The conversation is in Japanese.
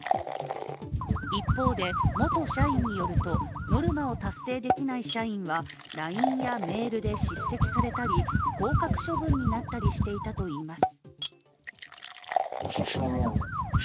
一方で、元社員によるとノルマを達成できない社員はＬＩＮＥやメールで叱責されたり、降格処分になったりしていたといいます。